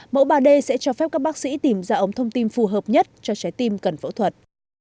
mẫu ba d sẽ cho phép các bác sĩ tìm ra ống thông tin phù hợp nhất cho trái tim cần phẫu thuật